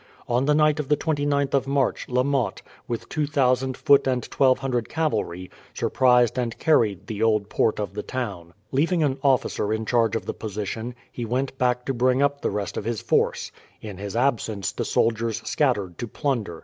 On the night of the 29th of March, La Motte, with 2000 foot and 1200 cavalry, surprised and carried the old port of the town. Leaving an officer in charge of the position, he went back to bring up the rest of his force. In his absence the soldiers scattered to plunder.